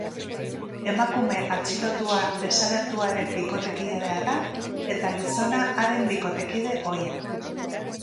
Emakume atxilotua desagertuaren bikotekidea da, eta gizona haren bikotekide ohia.